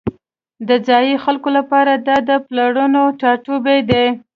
د ځایی خلکو لپاره دا د پلرونو ټاټوبی دی